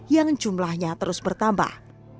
yang jumlahnya terus bertambah